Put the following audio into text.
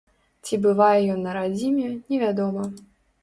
Ці бывае ён на радзіме, невядома.